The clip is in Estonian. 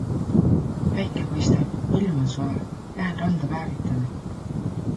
Päike paistab, ilm on soe, lähen randa päevitama.